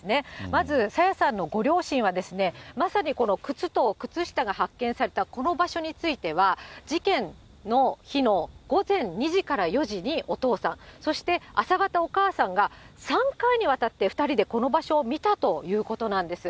まず、朝芽さんのご両親は、まさにこの靴と靴下が発見されたこの場所については、事件の日の午前２時から４時にお父さん、そして朝方、お母さんが３回にわたって、２人でこの場所を見たということなんです。